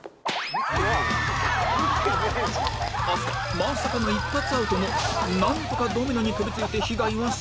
まさかの１発アウトもなんとかドミノに飛びついて被害は最小限に